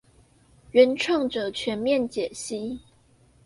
原創者全面解析